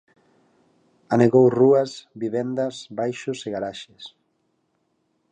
Anegou rúas, vivendas, baixos e garaxes.